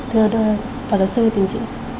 thưa pháp luật sư tình trị